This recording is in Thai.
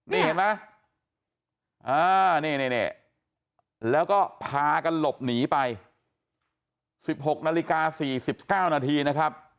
นี่เห็นไหมนี่แล้วก็พากันหลบหนีไป๑๖นาฬิกา๔๙นาทีนะครับ